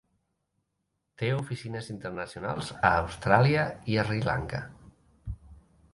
Té oficines internacionals a Austràlia i Sri Lanka.